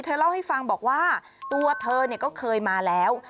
เล่าให้ฟังบอกว่าตัวเธอก็เคยมาแล้ว